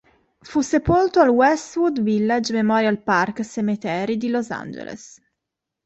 Fu sepolto al Westwood Village Memorial Park Cemetery di Los Angeles.